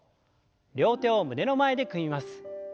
両手を胸の前で組みます。